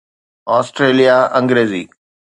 Australia Angrezi